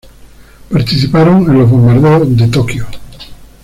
Participaron en los Bombardeos de Tokio.